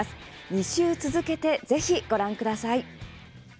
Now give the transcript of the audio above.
２週続けてぜひ、ご覧ください。